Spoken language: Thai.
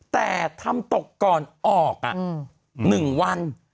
แต่ทำตกก่อนออก๑วัน